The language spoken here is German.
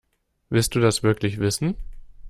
Willst du das wirklich wissen?